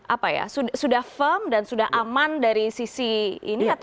apa ya sudah firm dan sudah aman dari sisi ini atau